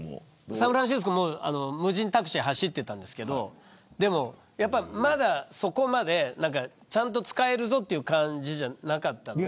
サンフランシスコも無人タクシー走ってましたけどまだそこまで、ちゃんと使えるぞという感じではなかったんで。